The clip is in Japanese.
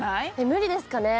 無理ですかね？